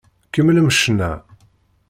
Kemmlem ccna!